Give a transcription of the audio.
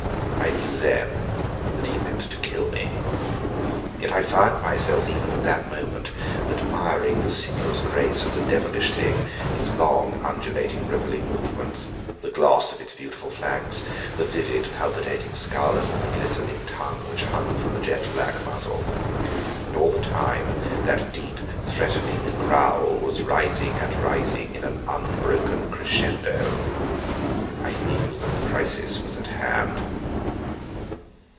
I knew then that he meant to kill me. Yet I found myself even at that moment admiring the sinuous grace of the devilish thing, its long, undulating, rippling movements, the gloss of its beautiful flanks, the vivid, palpitating scarlet of the glistening tongue which hung from the jet black muzzle. And all the time that deep, threatening growl was rising and rising in an unbroken crescendo. I knew that the crisis was at hand.